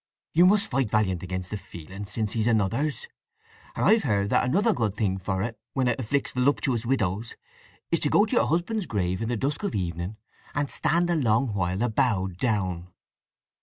"You must fight valiant against the feeling, since he's another's. And I've heard that another good thing for it, when it afflicts volupshious widows, is to go to your husband's grave in the dusk of evening, and stand a long while a bowed down."